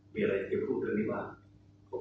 มีอะไรเกี่ยวพูดเรื่องนี้บ้าง